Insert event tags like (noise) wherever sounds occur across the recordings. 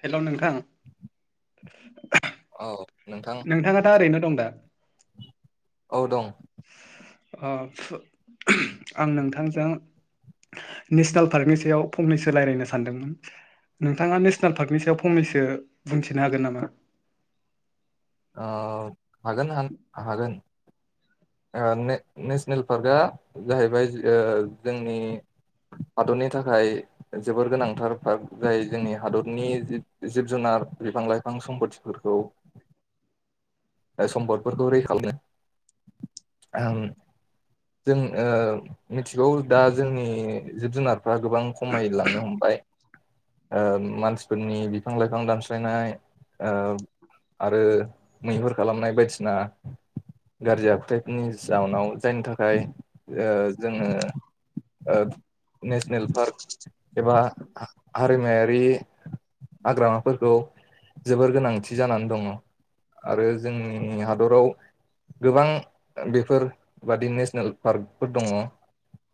हेल' नोंथां (unintelligible) औ नोंथां नोंथाङा दा ओरैनो दं दा औ दं आं नोंथांजों नेसनेल पार्कनि सायाव फंनैसो रायज्लायनो सानदोंमोन नोंथाङा नेसनेल पार्कनि सायाव फंनैसो बुंथिनो हागोन नामा अ हागोन हागोन अ ने नेसनेल पार्कआ जाहैबाय अ जोंनि हादरनि थाखाय जोबोर गोनांथार पार्क जाय जोंनि हादरनि जिब जुनार नार बिफां लाइफां सम्पतिफोरखौ (inaudible) सम्पदफोरखौ रैखालाय आं जों अ मिथिगौ दा जोंनि जिब जुनारफ्रा गोबां खमायलांनो हमबाय बाय अ मानसिफोरनि बिफां लाइफां दानस्लायनाय अ आरो मैहुर खालामनाय बायदिसिना गाज्रि आखुथाय फोरनि जाउनाव जायनि थाखाय अ जोङो अ नेसनेल पार्क एबा हा हारिमायारि हाग्रामाफोरखौ जोबोर गोनांथि जानानै दङ आरो जोंनि हादराव गोबां बेफोर बादि नेसनेल पार्कफोर दङ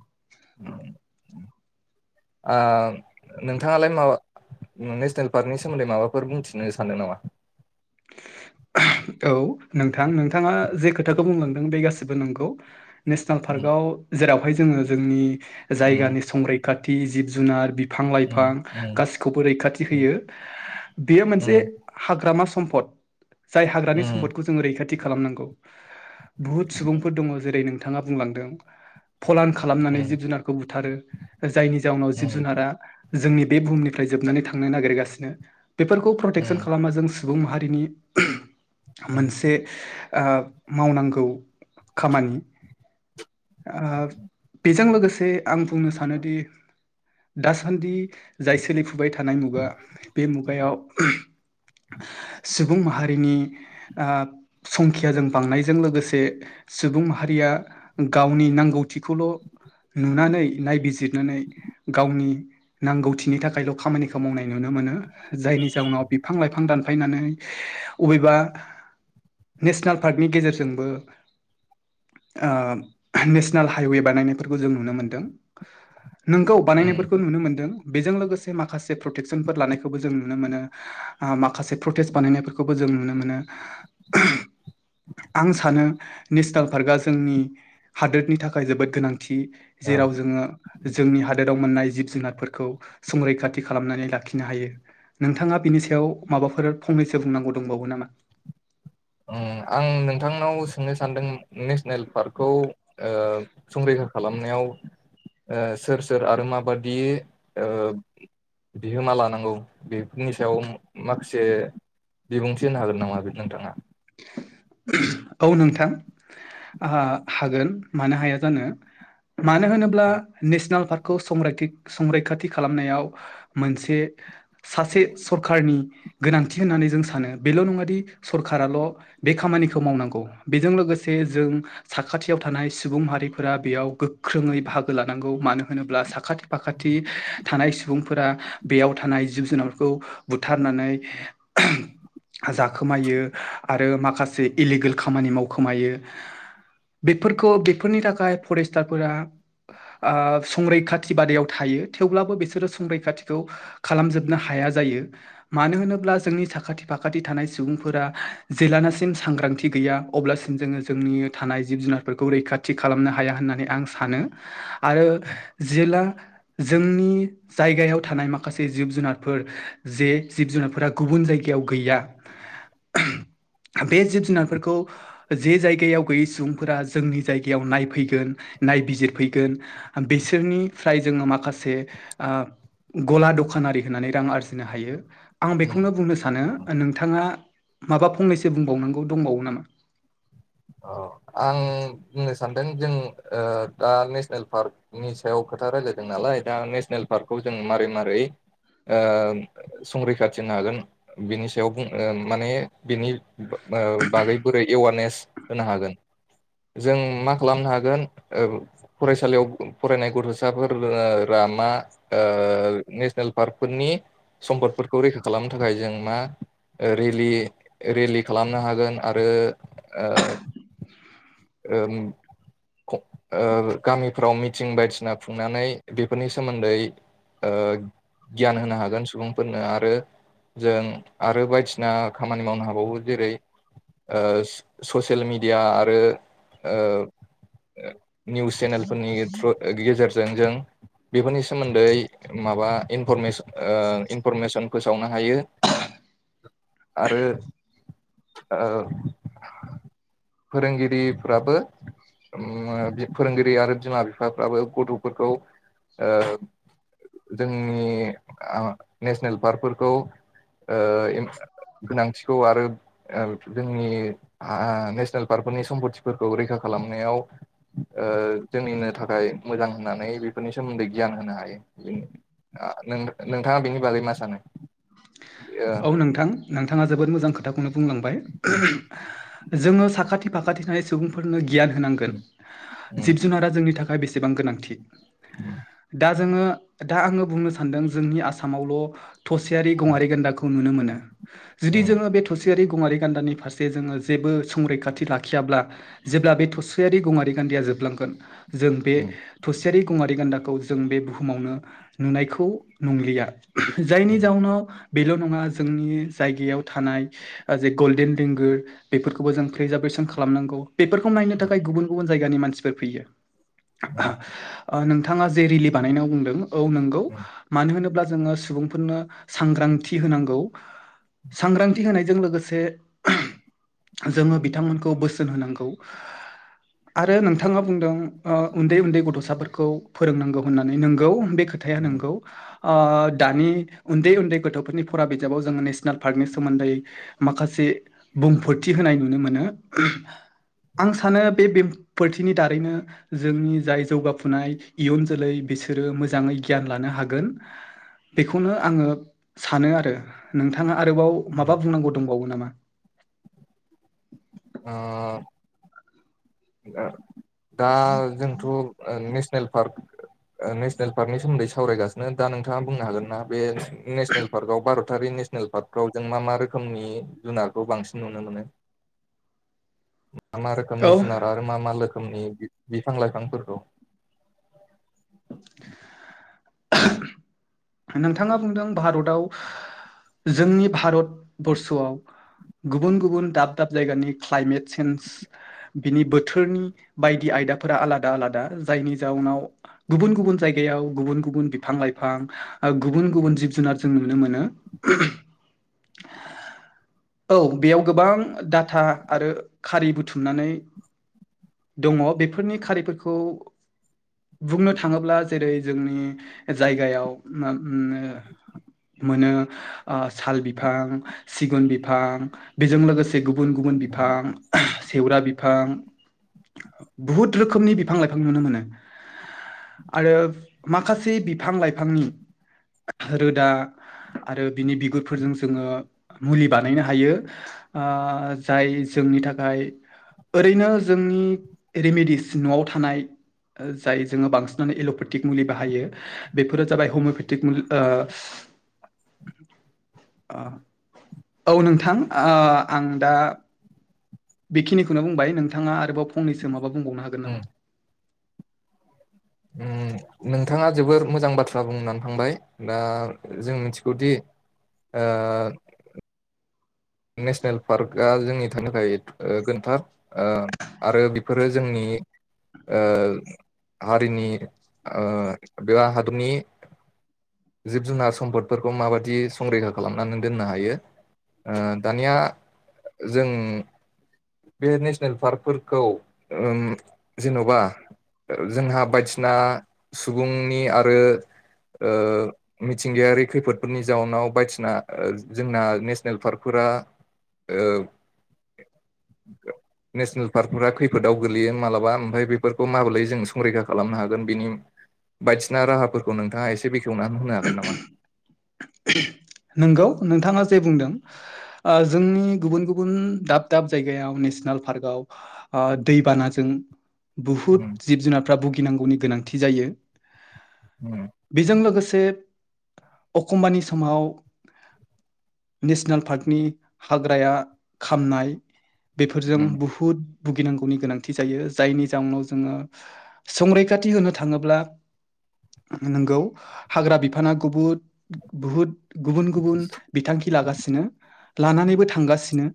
(unintelligible) अ नोंथाङालाय माबा नेसनेल पार्कनि सोमोन्दै माबाफोर बुंथिनो सानदों नामा? (unintelligible) औ नोंथां नोंथाङा जे खोथाखौ बुंलांदों बे गासिबो नंगौ। नेसनेल उम पार्कआव जेरावहाय जोङो जोंनि उम जायगानि संरैखाथि जिब जुनार बिफ बिफां लाइफां उम गासिखौबो रैखाथि उम होयो बेयो मोनसे उम हाग्रामा सम्पद जाय हाग्रानि उम सम्पदखौ जोङो रैखाथि खालामनांगौ बुहुद सुबुंफोर दङ जेरै नोंथाङा बुंलांदों फलान उम खालामनानै जिब जुनारखौ बुथारो जायनि जाउनाव जिब उम जुनारा जोंनि बे बुहुमनिफ्राय जोबनानै थांनो नागिरगासिनो बेफोरखौ प्रटेकसन उम खालामा जों सुबुं माहारिनि उम मोनसे आ मावनांगौ खामानि अ बेजों लोगोसे आं बुंनो सानोदि दासान्दि जाय सोलिफुबाय थानाय मुगा बे मुगायाव (unintelligible) सुबुं माहारिनि संखियाजों बांनायजों लोगोसे सुबुं माहारि। हारिया गावनि नांगौथिखौल'। नुनानै नायबिजिरनानै गावनि नांगौथिनि थाखायल' खामानिखौ मावनाय नुनो मोनो। मोनो जायनि जाउनाव बिफां लाइफां दानफायनानै अबेबा। नेसनेल पार्कनि गेजेरजोंबो आ। नेसनेल हाइवे बानायनायफोरखौ जों नुनो मोनदों नोंगौ उम बानायनायफोरखौ नु। बेजों लोगोसे माखासे प्रटेकसनफोर लानायखौबो जों नुनो मोनो माखासे प्रटेस्ट बानायनायफोरखौबो जों। नुनो मोन। आं सानो नेसनेल पार्कआ जोंनि। हादोरनि थाखाय जोबोद गोनांथि ओ जेराव जोङो। जोंनि हादोराव मोननाय जिब जुनारफोरखौ संरैखाथि खालामनानै लाखिनो हायो नोंथाङा बिनि नि सायाव माबाफोर फंनैसो बुंनांगौ दंबावो नामा? ओं आं नोंथांनाव सोंनो सानदों। नेसनेल पार्कखौ ओ संरैखा। खालामनायाव ओ सोर सोर आरो माबादि ओ। बिहोमा लानांगौ बेफोरनि सायाव मा-माखासे। बिबुंथि होनो हागोन नामा बे नोंथाङा? औ नोंथां आहा हागोन मानो हाया जानो। मानो होनोब्ला नेशनेल पार्कखौ संरायथि संरैखाथि खालामनायाव मोनसे। सासे सरखारनि गोनांथि होननानै जों सानो बेल नङा दि सरखाराल। बे खामानिखौ मावनांगौ बेजों लोगोसे जों साखाथियाव थानाय सुबुं माहारिफोरा बेयाव गो गोख्रोङै बाहागो लानांगौ मानो होनोब्ला साखाथि फाखाथि थानाय सुबुंफोरा बेयाव था। नाय जिब जुनारफोरखौ बुथारनानै जाखोमायो। आरो माखासे इलिगेल खामानि मावखोमायो। बेफोरखौ बेफोरनि थाखाय फरेस्टारफोरा। आ संरैखाथि बादायाव थायो थेवब्लाबो बिसोरो संरैखाथिखौ खालामजोबनो हाय मा जायो मानो होनोब्ला जोंनि साखाथि फाखाथि थानाय सुबुंफोरा। जेलानोसिम सांग्रांथि गैया अब्लासिम जोङो जोंनि थानाय जिब जुनारफोरखौ रैखाथि खालामनो हाया होन। होननानै आं सानो आरो जेला जोंनि जायगायाव थानाय माखा माखासे जिब जुनारफोर जे जिब जुनारफोरा गुबुन जायगायाव गैया। बे जिब जुनारफोरखौ। जे जायगायाव गैयै सुबुंफोरा जोंनि जायगायाव नायफैगोन नायबिजिरफैगोन बि सोरनिफ्राय जोङो माखासे आ। गला दखानारि होनानै रां आरजिनो हायो। आं उम बेखौनो बुंनो सानो नोंथाङा माबा। फंनैसो बुंबावनांगौ दंबावो नामा? औ आं बुंनो सानदों जों ओ दा नेसनेल पार्कनि सायाव खो खोथा रायलायदों नालाय दा नेसनेल पार्कखौ जों मारै मारै? ओ संरैखाथि होनो हागोन बिनि सायाव बुं माने बिनि। ओ बै-बा-बागै बोरै एवारनेस होनो हागोन। जों मा खालामनो हागोन ओ फरायसालियाव फरायनाय गथसाफोर ओ रो-रा लामा ओ नेसनेल पार्कफोरनि। सम्पदफोरखौ रैखा खालामनो थाखाय जों मा? रेलि रेलि खालामनो हागोन आरो ओ। (unintelligible) ओम ओ गामिफ्राव मिथिं बायदिसिना खुंनानै बेफोरनि सोमोन्दै ओ गियान होनो हागोन सुबुंफोरनो आरो जों आरो बाइदिसिना खामानि मावनो हाबावो जेरै ओ ससे सियेल मिडिया आरो ओ ऐ निउस चेनेलफोरनि थ्र ओ गेजेरजों जों बेफोरनि सोमोन्दै माबा इनफरेस ओ इनफरमेसन फोसावनो हायो (inaudible) आरो ओ फोरोंगिरिफ्राबो ओम फोरोंगिरि आरो बिमा बिफाफ्राबो गथफोरखौ ओ जोंनि आ नेसनेल पार्कफोरखौ ओ गोनांथिखौ आरो ओ जोंनि हा नेसनेल पार्कफोरनि सम्पथिफोरखौ रैखा खालामनायाव ओ जोंनिनो थाखाय मोजां होनना (inaudible) औ नोंथां नोंथाङा जोबोद मोजां खोथाखौनो बुंलांबाय जोङो साखाथि फाखाथि थानाय सुबुंफोरनो गियान होनांगोन उम जिब जुनारा जोंनि थाखाय बेसेबां गोनांथि उम उम दा जोङो दा आङो बुंनो सानदों जोंनि आसामावल थसेयारि गङारि गान्दाखौ नुनो मोनो जुदि उम जोङो बे थसे सेयारि गङारि गान्दानि फारसे जोङो जेबो संरैखाथि लाखियाब्ला जेब्ला बे थसेयारि गङारि गान दाया जोबलांगोन जों बे उम थसे सेयारि गङारि गान्दाखौ जों बे बुहुमावनो नुनायखौ नंलिया जायनि जाउनाव बेल नङा जोंनि जायगायाव थानाय जे गल्डेन लेगोर बेफोरखौबो जों प्रिजार्भेसन खा खालामनांगौ बेफोरखौ नायनो उम थाखाय गुबुन गुबुन जायगानि मानसिफोर फैयो उम ओ नों थाङा जे रेलि बानायनानै बुंदों औ नंगौ मानो होनोब्ला जोङो सुबुंफोरनो सांग्रां थि होनांगौ सांग्रांथि होनायजों लोगोसे जोङो बिथांमोनखौ बोसोन होनांगौ आरो नोंथाङा बुंदों ओ उन्दै उन्दै गथसाफोरखौ फोरोंनांगौ होननानै नोंगौ बे खो थाया उम नंगौ दानि उन्दै उन्दै गथ फोरनि फरा बिजाबाव जोङो नेसनेल पार्कनि सोमोन्दै माखासे बुंफोरथि होनाय नुनो मोनो (inaudible) आं सानो बे बेंफोरथिनि दारैनो जोंनि जाय जौगाफुनाय इयुन जोलै बिसोरो मोजाङै गियान लानो हागोन बेखौनो आङो सानो आरो नोंथाङा आरोबाव उम माबा बुंनांगौ दंबावो नामा ओ दा जोंथ नेस नेल ओ पार्क नेसनेल पार्कनि सोमोन्दै सावरायगासिनो दा नोंथाङा बुंनो हागोन ना बे नेसनेल पार्कआव भारत तारि नेसनेल पार्कफ्राव जों मा मा रोखोमनि जुनारखौ बांसिन नुनो मोनो (inaudible) मा मा औ रोखोमनि जुनार आरो मा मा लोखोमनि बिफां लाइफांफोरखौ नोंथाङा बुंदों भारताव जोंनि भारतबर्षआव गुबुन गुबुन दाब दाब जायगानि क्लाइमेट सेेन्ज बिनि बोथोरनि बायदि आय आयदाफोरा आलादा आलादा जायनि जाउनाव गुबुन गुबुन जायगायाव गुबुन गुबुन बिफां लाइफां गुबुन गुबुन जिब जुनार जों नुनो मोनो औ बेयाव गोबां डाथा आरो खारि बुथुमनानै दङ बेफोरनि खारिफोरखौ बुंनो थाङोब्ला जेरै जोंनि जायगायाव मोनो ओ साल बिफां सिगुन बिफां बेजों लोगोसे गुब बुन गुबुन बिफां सेेवरा बिफां बुहुद रोखोमनि बिफां लाइफां नुनो मोनो आरो माखासे बिफां लाइफांनि रोदा आरो बिनि बिगुरफोरजों जोङो मुलि बानायनो हायो ओ जाय जो जोंनि थाखाय ओरैनो जोंनि रेमेडिस न'आव थानाय जाय जोङो बांसिनानो एल'पेटिक मुलि बाहायो बेफोरो जाबाय (unintelligible) औ नोंथां आं दा बेखिनिखौनो बुंबाय नोंथाङा आरोबाव फंनैसो माबा बुंबावनो हागोन उम नामा उम नोंथाङा जोबोर मोजां बाथ्रा बुंनानै थांबाय दा जों मिथिगौदि ओ नेसनेल पार्कआ जोंनि था थाखाय गोनांथार आरो बेफोरो जोंनि (unintelligible) हारिनि बेबा हादरनि जिब जुनार सम्पदफोरखौ माबायदि संरैखा खालामनानै दोननो हायो। दानिया जों बे नेसनेल पार्कफोरखौ जेन'बा जोंहा बायदिसिना सुबुंनि आरो। मिथिंगायारि खैफोदफोरनि जाउनाव बायदिसिना जोंना ने नेसनेल पार्कफोरा (inaudible) नेसनेल पार्कफोरा् खैफोदाव गोग्लैयो मालाबा ओमफ्राय बेफोरखौ माबोरै जों संरैखा खालामनो हागोन बिनि बायदिसिना राहाफोरखौ नोंथाङा एसे बेखेवनानै होनो हागोन नामा? (unintelligible) नोंगौ नोंथाङा जे बुंदों जोंनि गुबुन गुबुन दाब दाब जायगायाव नेसनेल पार्क आव दै बानाजों उम बुहुत जिब जुनारफ्रा भुगिनांगौनि गोनांथि जायो उम बेजों लोगोसे एखमबानि समाव नेसनेल पार्कनि हाग्राया खामनाय बेफोरजों उम बुहुद भुगिनांगौनि गोनांथि जायो जायनि जाउनाव जोङो संरैखाथि होनो थाङोब्ला नंगौ हाग्रा बिफाना गुबुत बुहुद गुबुन गुबुन बिथांखि लागासिनो लानानैबो थांगासिनो।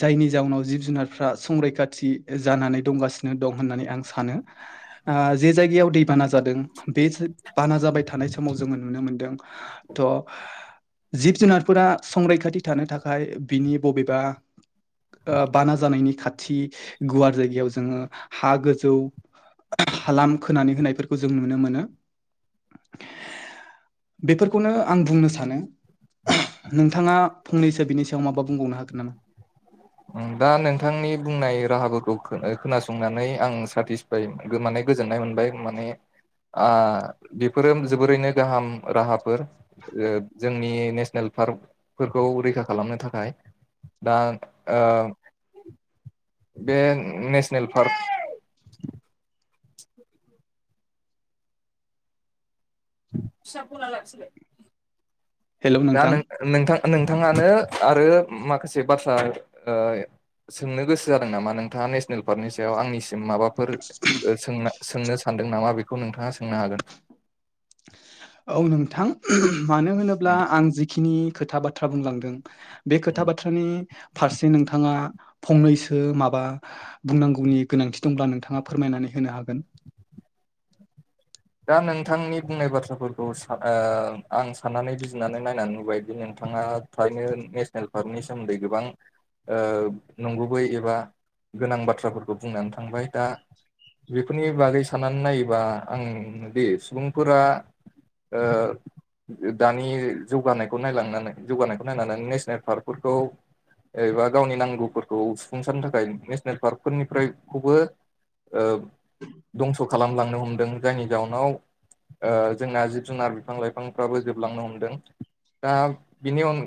जायनि जाउनाव जिब जुनारफ्रा संरैखाथि जानानै दंगासिनो दं होननानै आं सानो जे जायगायाव दैबाना जादों बे बाना जाबाय थानाय समाव जोङो नुनो मोनदों थ'। जिब जुनारफोरा संरैखाथि थानो थाखाय बिनि बबेबा बाना जानायनि खाथि गुवार जायगायाव जोङो हा गोजौ हालाम खोनानै होनायफोरखौ जों नुनो मोनो। बेफोरखौनो आं बुंनो सानो नोंथाङा फंनैसो बिनि सायाव माबा बुंबावनो हागोन नामा दा नोंथांनि बुंनाय राहाफोरखौ खोनासंनानै आं सेटिसफाइ माने गोजोन नाय मोनबाय माने बेफोरो जोबोरैनो गाहाम राहाफोर जोंनि नेसनेल पार्कफोरखौ रैखा खालामनो थाखाय दा ओ बे नेसनेल पार्क (unintelligible) दा नोंथां नोंथाङानो आरो माखासे बाथ्रा सोंनो गोसो जादों नामा नोंथाङा नेसनेल पार्कनि सायाव आंनि माबाफोरों सोंनो सानदों नामा बेखौ नोंथाङा सोंनो हागोन। औ नोंथां मानो होनोब्ला उम आं जिखिनि खोथा बाथ्रा बुंलांदों। बे खोथा उम बाथ्रानि फारसे नोंथाङा फंनैसो माबा बुंनांगौनि गोनांथि दंब्ला नोंथाङा फोरमायनानै होनो हागोन। (inaudible) दा नोंथांनि बुंनाय बाथ्राफोरखौ आं साननानै बिजिनानै नायनानै नुबायदि नोंथां बिथाङा फ्रायनो नेसनेल पार्कनि सोमोन्दै गोबां नंगुबै एबा गोनां बाथ्राफोरखौ बुंनानै थांबाय दा बेफोरनि बागै साननानै नायोबा आं दि सुबुंफोरा ओ दानि जौगानायखौ नायलांनानै जौगानायखौ नायनानै नेसनेल पार्कफोरखौ एबा गावनि नांगौफोरखौ सुफुंसारनो थाखाय नेसनेल पार्कफोरनिफ्रायखौबो दंस' खालामलांनो हमदों जायनि जाउनाव जोंना जिब जुनार बिफां लाइफांफ्राबो जोबलांनो हमदों दा बिनि